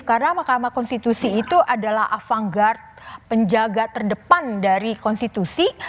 karena makam konstitusi itu adalah avant garde penjaga terdepan dari konstitusi